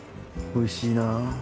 おいしいな。